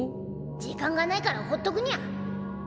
時間がないからほっとくニャ。